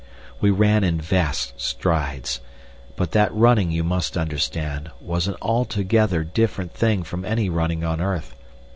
We ran in vast strides. But that running, you must understand, was an altogether different thing from any running on earth.